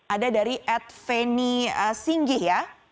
ada dari edveni singgih ya